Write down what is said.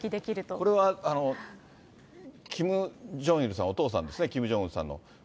これはキム・ジョンイルさん、お父さんですね、キム・ジョンウンさんの。